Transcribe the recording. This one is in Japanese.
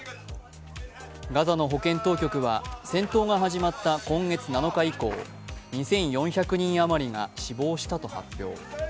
ガザの保健当局は、戦闘が始まった今月７日以降２４００人余りが死亡したと発表。